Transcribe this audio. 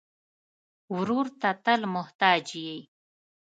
ورور ته تل محتاج یې.